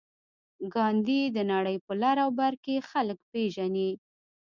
ګاندي د نړۍ په لر او بر کې خلک پېژني.